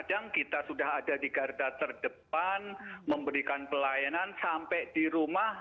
kadang kita sudah ada di garda terdepan memberikan pelayanan sampai di rumah